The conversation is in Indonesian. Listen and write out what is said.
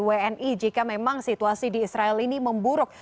wni jika memang situasi di israel ini memburuk